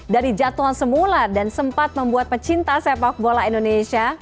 dari jadwal semula dan sempat membuat pecinta sepak bola indonesia